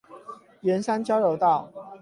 圓山交流道